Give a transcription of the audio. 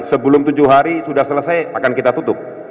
sebelum tujuh hari sudah selesai akan kita tutup